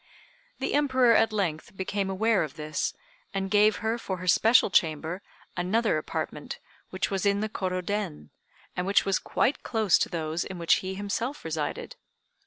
The Emperor at length became aware of this, and gave her, for her special chamber, another apartment, which was in the Kôrô Den, and which was quite close to those in which he himself resided.